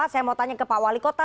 saya mau tanya ke pak wali kota